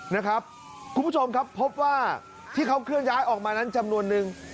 นะครับคุณผู้ชมครับพบว่าที่เขาเคลื่อนย้ายออกมานั้นจำนวนนึง